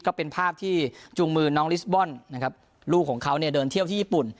ก็เป็นภาพที่จูงมือน้องลิสบอลนะครับลูกของเขาเนี่ยเดินเที่ยวที่ญี่ปุ่น